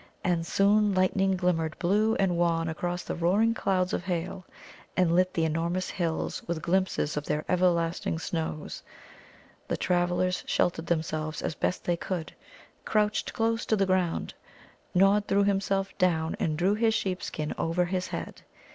And soon lightning glimmered blue and wan across the roaring clouds of hail, and lit the enormous hills with glimpses of their everlasting snows. The travellers sheltered themselves as best they could, crouched close to the ground. Nod threw himself down and drew his sheep skin over his head.